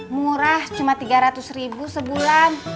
murah cuma tiga ratus ribu sebulan